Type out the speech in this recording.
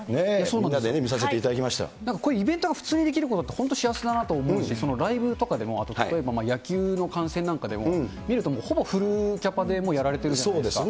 みんなで見させていただきまなんかこういうイベントが普通にできることが本当、幸せだなと思うし、ライブとかでも、あと例えば野球の観戦なんかでも、見ると、もうほぼフルキャパでもうやられてるじゃないですか。